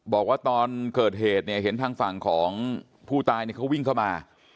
บอกว่าตอนเกิดเหตุเนี่ยเห็นทางฝั่งของผู้ตายเขาวิ่งเข้ามา